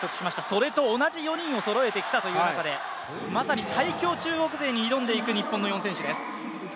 それと同じ４人をそろえてきたということでまさに最強中国勢に挑んでいく日本チームです。